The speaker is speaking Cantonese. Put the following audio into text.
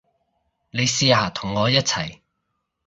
你試下同我一齊